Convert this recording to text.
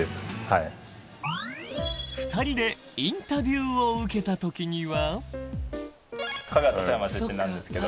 ２人でインタビューを受けた時には。